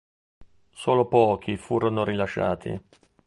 Solo pochi furono rilasciati.